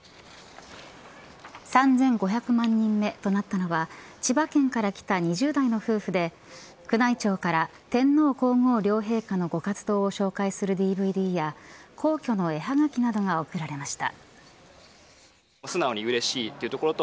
３５００万人目となったのは千葉県から来た２０代の夫婦で宮内庁から天皇皇后両陛下のご活動を紹介するＤＶＤや皇居の絵はがきなどが贈られました。